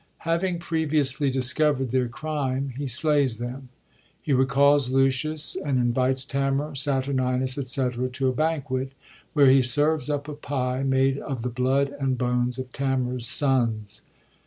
Having previously discoverd their crime, he slays them. He re calls Lucius, and invites Tamora, Saturninus, &c., to a banquet, where he serves up a pie made of the blood and bones of Tamora*s sons.